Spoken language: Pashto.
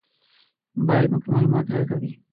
موبایل موږ ته معلومات راکوي.